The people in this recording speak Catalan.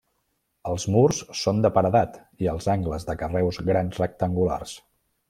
Els murs són de paredat i els angles de carreus grans rectangulars.